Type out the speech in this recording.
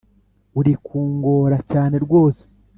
Uri kungora cyane rwose